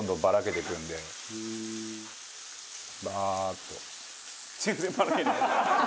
バーッて。